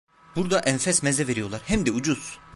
Burada enfes meze veriyorlar; hem de ucuz.